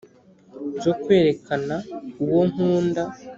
zo kwerekaana uwo nkunda